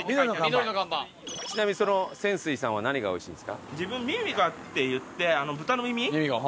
ちなみにそのセンスイさんは何がおいしいですか？